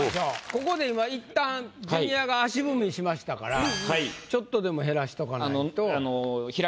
ここで今一旦ジュニアが足踏みしましたからちょっとでも減らしとかないと。開きたいですね。